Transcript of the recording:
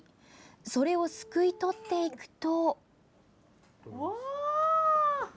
それをすくい取っていくと。